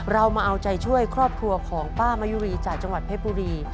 เรามาเอาใจช่วยครอบครัวของป้ามะยุรีจากจังหวัดเพชรบุรี